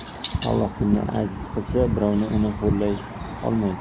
Alloh kimni aziz qilsa, birov uni xo‘rlay olmas!